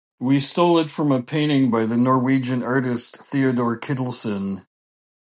We 'stole' it from a painting by the Norwegian artist Theodor Kittelsen.